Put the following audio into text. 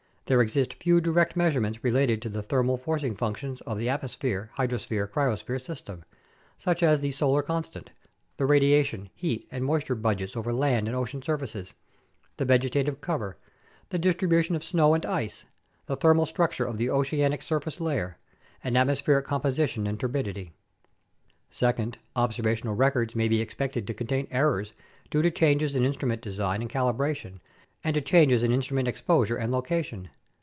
There exist few direct measurements related to the thermal forcing functions of the at mosphere hydrosphere cryosphere system, such as the solar constant; the radiation, heat, and moisture budgets over land and ocean surfaces; the vegetative cover; the distribution of snow and ice; the thermal structure of the oceanic surface layer; and atmospheric composition and turbidity. Second, observational records may be expected to contain errors due to changes in instrument design and calibration and to changes in instrument exposure and location.